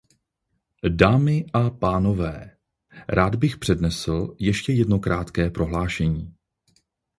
Dámy a pánové, rád bych přednesl ještě jedno krátké prohlášení.